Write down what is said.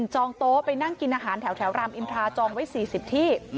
จองโต๊ะไปนั่งกินอาหารแถวรามอินทราจองไว้๔๐ที่